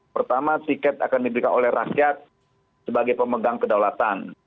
pertama tiket akan diberikan oleh rakyat sebagai pemegang kedaulatan